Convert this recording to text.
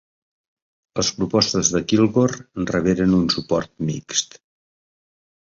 Les propostes de Kilgore reberen un suport mixt.